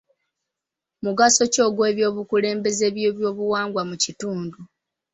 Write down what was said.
Mugaso ki ogw'abakulembeze b'ebyobuwangwa mu kitundu?